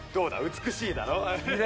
美しいだろ？